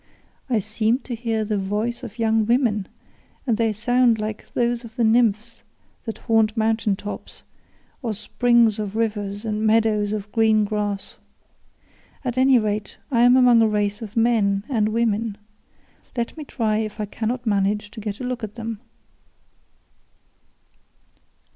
I seem to hear the voices of young women, and they sound like those of the nymphs that haunt mountain tops, or springs of rivers and meadows of green grass. At any rate I am among a race of men and women. Let me try if I cannot manage to get a look at them."